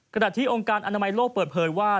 ขณะที่องค์การอนามัยโลกเปิดเผยว่า